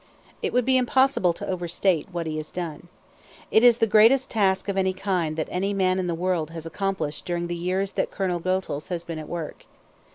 It would be impossible to overstate what he has done. It is the greatest task of any kind that any man in the world has accomplished during the years that Colonel Goethals has been at work.